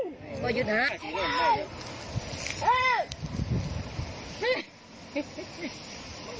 ทักลงคนตายหรือยังอ่ะ